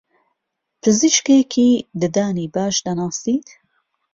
پزیشکێکی ددانی باش دەناسیت؟